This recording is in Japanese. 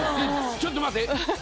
ちょっと待って。